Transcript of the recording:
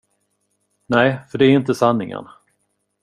Nej, för det är inte sanningen.